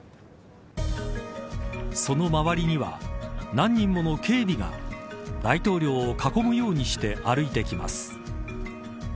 その周りには、何人もの警備が大統領を囲むようにして歩いてきます。